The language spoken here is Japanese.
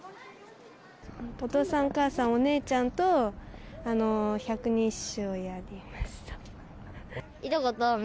お父さん、お母さん、お姉ちゃんと、百人一首をやりました。